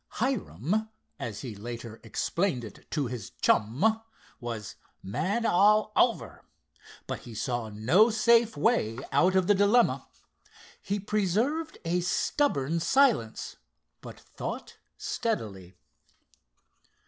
Hiram, as he later explained it to his chum, was "mad all over," but he saw no safe way out of the dilemma. He preserved a stubborn silence, but thought steadily.